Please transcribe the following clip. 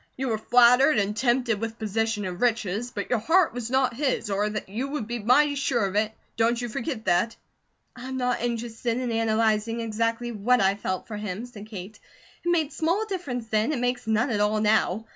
You were flattered, and tempted with position and riches, but your heart was not his, or you would be mighty SURE of it, don't you forget that!" "I am not interested in analyzing exactly what I felt for him," said Kate. "It made small difference then; it makes none at all now.